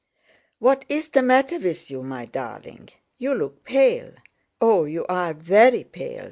"What is the matter with you, my darling? You look pale. Oh, you are very pale!"